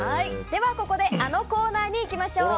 ではここであのコーナーにいきましょう。